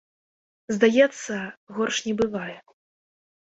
Здаецца, горш не бывае.